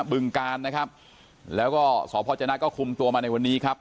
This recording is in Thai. บึงการนะครับแล้วก็สพจนะก็คุมตัวมาในวันนี้ครับ